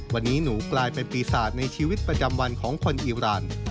วันนี้หนูกลายเป็นปีศาจในชีวิตประจำวันของคนอีราน